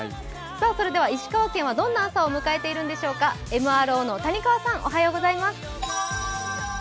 それでは石川県はどんな朝を迎えているんでしょうか、ＭＲＯの谷川さん、おはようございます。